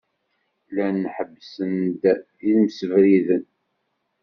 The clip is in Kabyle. Llan ḥebbsen-d imsebriden.